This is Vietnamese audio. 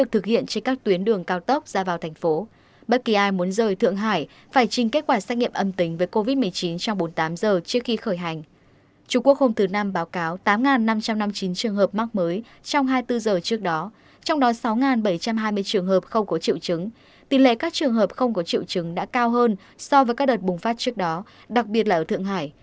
tỷ lệ các trường hợp không có triệu chứng đã cao hơn so với các đợt bùng phát trước đó đặc biệt là ở thượng hải